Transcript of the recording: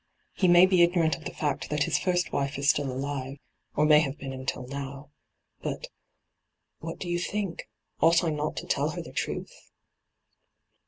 He may be ignorant of the fact that his first wife is still alive — or may have been until now. But — what do you think ? Ought I not to tell her the truth